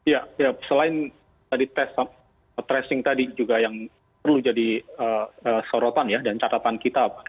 ya selain tadi tes tracing tadi juga yang perlu jadi sorotan ya dan catatan kita